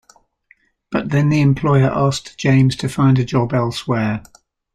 But then the employer asked James to find a job elsewhere.